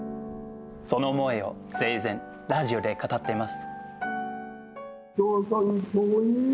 その思いを生前、ラジオで語っています。